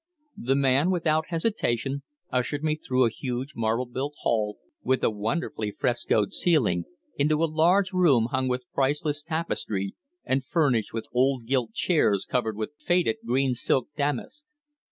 The man, without hesitation, ushered me through a huge marble built hall, with a wonderfully frescoed ceiling, into a large room hung with priceless tapestry, and furnished with old gilt chairs covered with faded green silk damask.